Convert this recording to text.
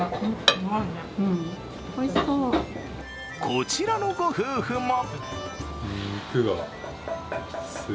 こちらのご夫婦も。